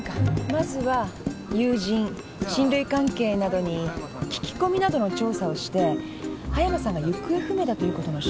まずは友人親類関係などに聞き込みなどの調査をして葉山さんが行方不明だということの証明をします。